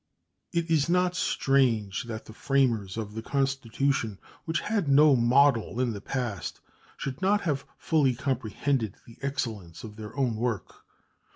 It is not strange that the framers of the Constitution, which had no model in the past, should not have fully comprehended the excellence of their own work.